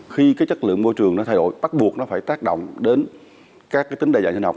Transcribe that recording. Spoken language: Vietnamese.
khi cái chất lượng môi trường nó thay đổi bắt buộc nó phải tác động đến các tính đại dạng sinh học